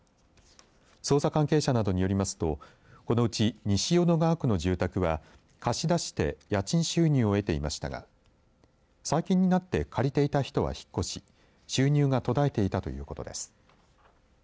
捜査関係者などによりますとこのうち西淀川区の住宅は貸し出して家賃収入を得ていましたが最近になって借りていた人は引っ越し収入が途絶えていたということです。